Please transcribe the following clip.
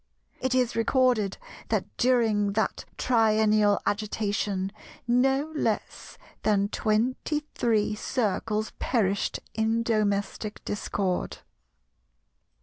It is recorded that during that triennial agitation no less than twenty three Circles perished in domestic discord.